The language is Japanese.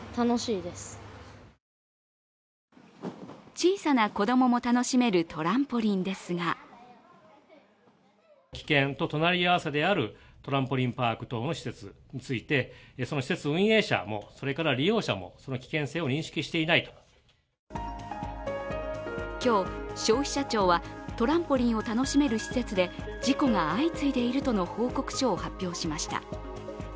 小さな子供も楽しめるトランポリンですが今日、消費者庁はトランポリンを楽しめる施設で事故が相次いでいるとの報告書を発表しました。